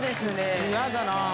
嫌だなぁ。